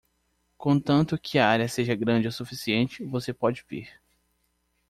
Contanto que a área seja grande o suficiente, você pode vir.